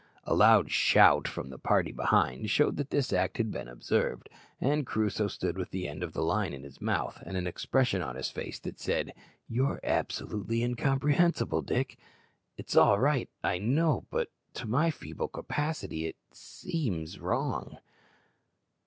A loud shout from the party behind showed that this act had been observed; and Crusoe stood with the end of the line in his mouth, and an expression on his face that said, "You're absolutely incomprehensible, Dick! It's all right, I know, but to my feeble capacity it seems wrong."